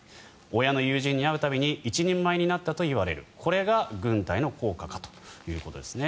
親の友人に会う度に一人前になったと言われるこれが軍隊の効果かということですね。